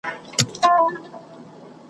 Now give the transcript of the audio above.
دلته سرتورو په ښراکلونه وپېیله `